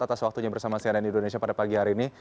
atas waktunya bersama cnn indonesia pada pagi hari ini